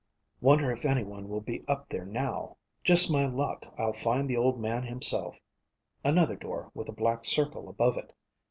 Wonder if anyone will be up there now. Just my luck I'll find the Old Man himself. Another door with a black circle above it.